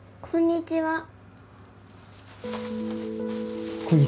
こんにちは！